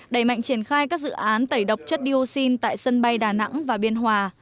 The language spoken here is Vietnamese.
đẩy mạnh triển khai các dự án tẩy độc chất dioxin tại sân bay đà nẵng và biên hòa